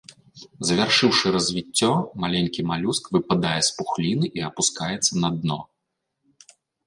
Завяршыўшы развіццё, маленькі малюск выпадае з пухліны і апускаецца на дно.